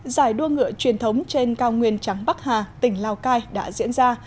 giải đua ngựa truyền thống trên cao nguyên trắng bắc hà tỉnh lào cai đã diễn ra